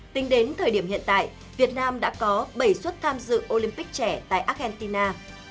tính đến thời điểm hiện tại việt nam đã có bảy suất tham dự olympic trẻ tại argentina